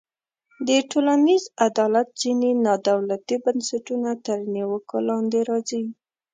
د ټولنیز عدالت ځینې نا دولتي بنسټونه تر نیوکو لاندې راځي.